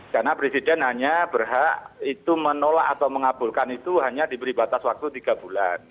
karena presiden hanya berhak itu menolak atau mengabulkan itu hanya diberi batas waktu tiga bulan